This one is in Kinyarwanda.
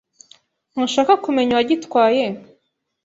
Ntushaka kumenya uwagitwaye?